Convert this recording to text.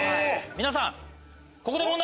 皆さん！